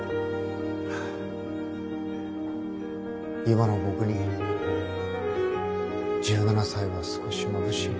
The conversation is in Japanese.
今の僕に１７才は少しまぶしい。